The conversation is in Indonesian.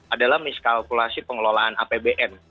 adalah miskalkulasi pengelolaan apbn